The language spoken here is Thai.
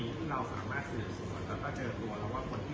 มีตัวการการอยู่แล้วครับเกี่ยวกับการการทำของผู้หญิงนอกล่าสัตว์ชาติ